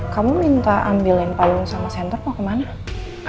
kamu minta ambilin payung sama senter mau kemana